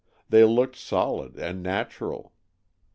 They looked solid and natural.